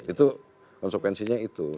itu konsekuensinya itu